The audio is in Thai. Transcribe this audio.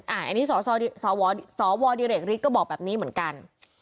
อันนี้สวสวดิเรกฤทธิก็บอกแบบนี้เหมือนกัน